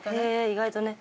意外とね。